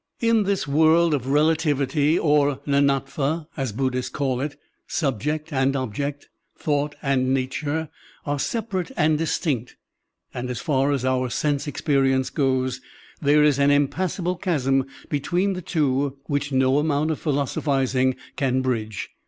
In this world of relativity, or ndndtva as Buddhists call it, subject and object, thought and nature, are separate and distinct, and as far as otir sense experience goes, there is an impassable chasm between the two which no amotmt of philosophizing can bridge.